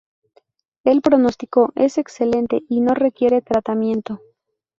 El pronóstico es excelente y no requiere tratamiento.